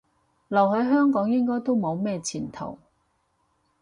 留喺香港應該都冇咩前途